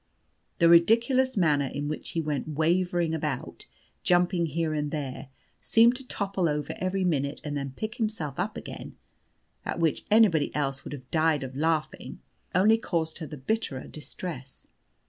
The ridiculous manner in which he went wavering about, jumping here and there, seeming to topple over every minute and then pick himself up again (at which anybody else would have died of laughing), only caused her the bitterer distress.